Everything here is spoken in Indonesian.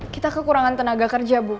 kita kekurangan tenaga kerja bu